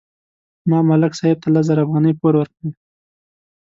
ما ملک صاحب ته لس زره افغانۍ پور ورکړې.